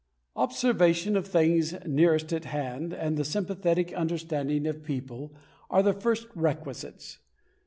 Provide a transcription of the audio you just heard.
Observation of things nearest at hand and the sympathetic understanding of people are the first requisites.